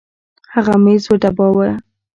هغه ميز وډباوه.